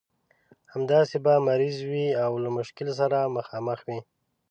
همداسې به مریض وي او له مشکل سره مخامخ وي.